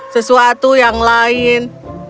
sesuatu yang lain